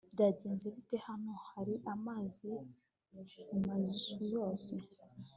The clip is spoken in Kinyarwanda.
byagenze bite? hano hari amazi mumazu yose